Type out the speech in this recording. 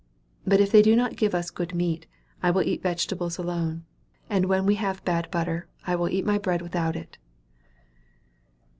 But if they do not give us good meat, I will eat vegetables alone, and when we have bad butter, I will eat my bread without it."